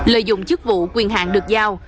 lợi dụng chức vụ quyền hạng được giao